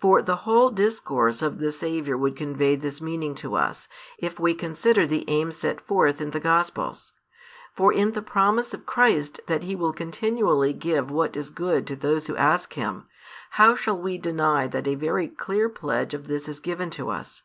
For the whole discourse of the Saviour would convey this meaning to us, if we consider the aim set forth in the Gospels. For in the promise of Christ that He will continually give what is good to those who ask Him, how shall we deny that a very clear pledge of this is given to us?